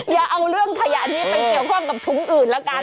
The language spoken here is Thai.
อย่าเอาเรื่องขยะนี้ไปเกี่ยวข้องกับถุงอื่นละกัน